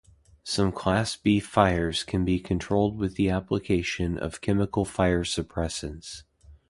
Some Class-B fires can be controlled with the application of chemical fire suppressants.